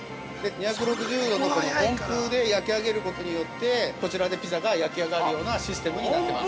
２６０度の温風で焼き上げることによってこちらでピザが焼き上がるようなシステムになってます。